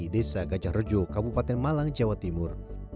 desa gajah rejo kabupaten malang jawa timur